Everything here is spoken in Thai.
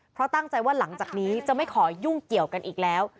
เพราะตั้งใจว่าหลังจากนี้จะไม่ขอยุ่งเกี่ยวกันอีกแล้ว